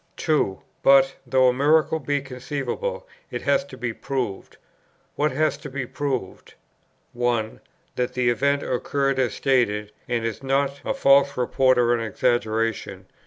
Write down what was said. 2. But, though a miracle be conceivable, it has to be proved. What has to be proved? (1.) That the event occurred as stated, and is not a false report or an exaggeration.